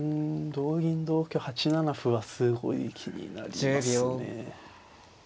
同銀同香８七歩はすごい気になりますね。